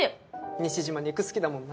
西島肉好きだもんな。